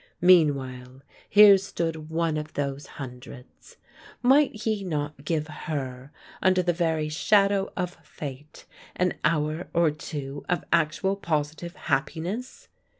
Meanwhile here stood one of those hundreds. Might he not give her, under the very shadow of fate, an hour or two of actual, positive happiness?